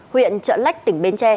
huyện chợ lách tỉnh bến tre